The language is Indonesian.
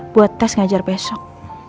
buat tes ngajar besok